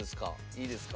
いいですか？